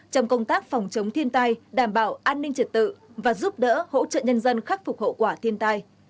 trong công tác phòng chống thiên tai đảm bảo an ninh trật tự và giúp đỡ hỗ trợ nhân dân khắc phục hậu quả thiên tai